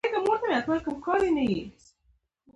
هغه له ځان سره وویل چې سلای فاکس پر سړک راځي